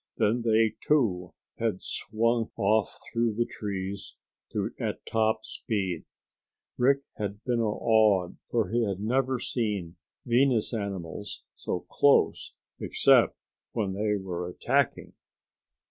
Then they, too, had swung off through the trees at top speed. Rick had been awed, for he had never seen Venus animals so close except when they were attacking.